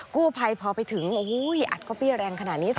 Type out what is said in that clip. กู้ภัยพอไปถึงโอ้โหอัดก็เปี้ยแรงขนาดนี้